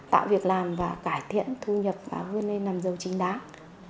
tạo việc làm và cải thiện thu nhập và huyên lên nằm dầu chính đáng